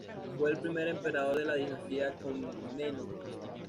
Fue el primer emperador de la dinastía Comneno.